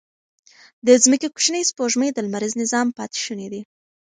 د ځمکې کوچنۍ سپوږمۍ د لمریز نظام پاتې شوني دي.